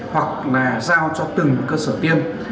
hoặc là giao cho từng cơ sở tiêm